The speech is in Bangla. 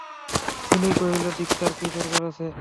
বিনয় কহিল, দীক্ষার কি দরকার আছে?